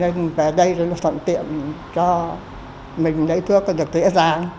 nên về đây nó thuận tiện cho mình lấy thuốc được dễ dàng